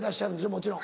もちろん。